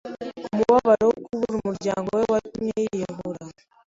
Umubabaro wo kubura umuryango we watumye yiyahura.